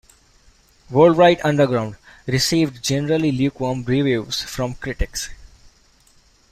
"Worldwide Underground" received generally lukewarm reviews from critics.